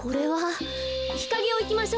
ひかげをいきましょう。